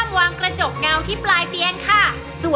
ไปฟังอาจารย์เป็นหนึ่งต่อเลยค่ะ